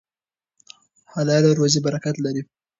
حلاله روزي برکت لري.